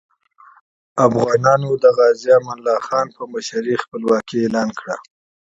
افغانانو د غازي امان الله خان په مشرۍ خپلواکي اعلان کړه.